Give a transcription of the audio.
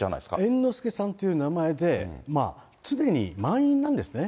猿之助さんという名前で、常に満員なんですね。